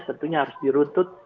tentunya harus diruntut